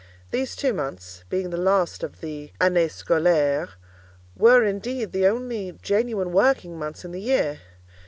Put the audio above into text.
These two months, being the last of the "année scolaire," were indeed the only genuine working months in the year.